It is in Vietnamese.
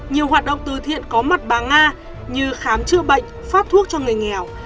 nhiều hoạt động từ thiện có mặt bà nga như khám chữa bệnh phát thuốc cho người nghèo